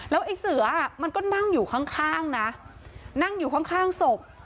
แล้วไอ้เสือมันก็นั่งอยู่ข้างนะนั่งอยู่ข้างศพ